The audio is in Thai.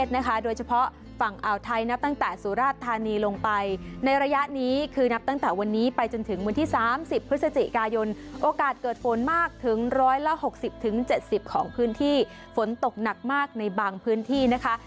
สิบถึงเจ็ดสิบของพื้นที่ฝนตกหนักมากในบางพื้นที่นะคะ